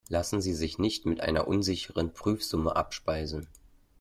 Lassen Sie sich nicht mit einer unsicheren Prüfsumme abspeisen.